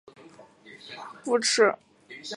阿瓜多西是巴西圣卡塔琳娜州的一个市镇。